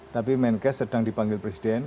tapi menkes sedang dipanggil presiden